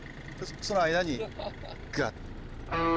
その間にガッと。